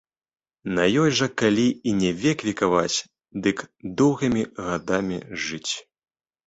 На ёй жа калі і не век векаваць, дык доўгімі гадамі жыць!